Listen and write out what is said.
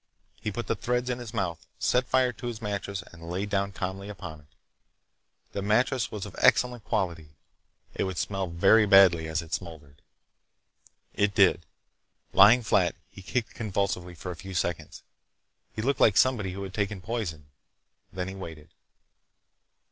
He put the threads in his mouth, set fire to his mattress, and laid down calmly upon it. The mattress was of excellent quality. It would smell very badly as it smoldered. It did. Lying flat, he kicked convulsively for a few seconds. He looked like somebody who had taken poison. Then he waited.